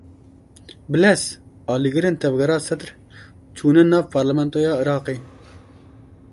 Bilez! Alîgirên Tevgera Sedr çûne nav Parlamentoya Iraqê.